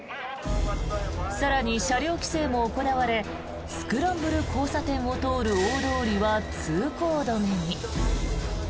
更に車両規制も行われスクランブル交差点を通る大通りは通行止めに。